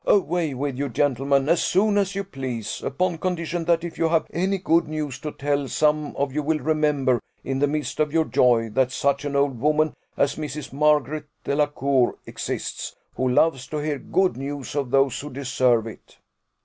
"Away with you, gentlemen, as soon as you please; upon condition, that if you have any good news to tell, some of you will remember, in the midst of your joy, that such an old woman as Mrs. Margaret Delacour exists, who loves to hear good news of those who deserve it."